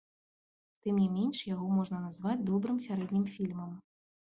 Тым не менш, яго можна назваць добрым сярэднім фільмам.